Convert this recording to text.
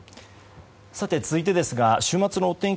続いてですが、週末のお天気